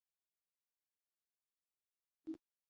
او په آخرت راتلو باندي ښه پوخ باور لري